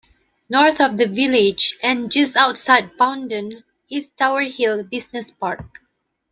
North of the village and just outside Poundon, is Tower Hill Business Park.